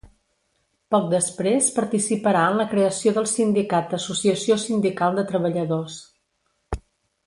Poc després participarà en la creació del sindicat Associació Sindical de Treballadors.